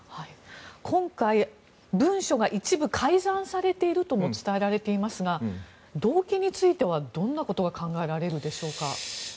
今回、文書が一部改ざんされているとも伝えられていますが動機についてはどんなことが考えられるでしょうか。